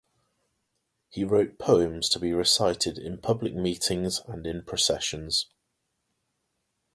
He wrote poems to be recited in public meetings and in processions.